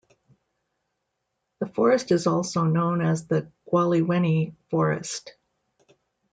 The forest is also known as the Gwaliweni Forest.